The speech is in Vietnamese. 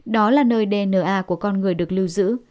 đó là nơi dna của con người được lưu giữ